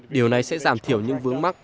điều này sẽ giảm thiểu những vướng mắc